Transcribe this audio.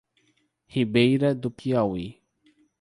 Ribeira do Piauí